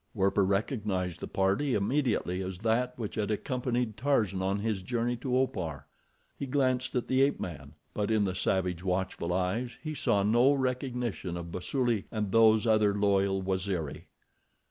Werper recognized the party immediately as that which had accompanied Tarzan on his journey to Opar. He glanced at the ape man; but in the savage, watchful eyes he saw no recognition of Basuli and those other loyal Waziri.